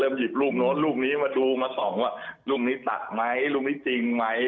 หยิบรูปโน้นรูปนี้มาดูมาส่องว่ารูปนี้ตัดไหมรูปนี้จริงไหม